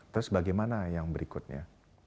terus bagaimana yang berikutnya